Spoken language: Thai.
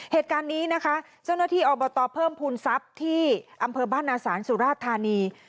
เหตุการณ์นี้นะคะเจ้าหน้าที่อบตเพิ่มภูมิทรัพย์ที่อำเภอบ้านนาศาลสุราชธานี